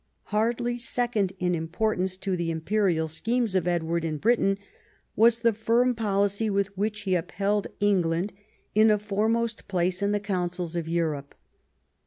Hardly second in importance to the imperial schemes of Edward in Britain was the firm policy with which he upheld England in a foremost place in the councils of Europe.